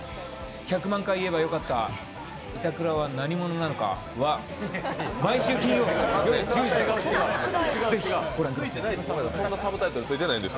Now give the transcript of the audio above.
「１００万回言えばよかった板倉は何者なのか？は毎週金曜日夜１０時からです。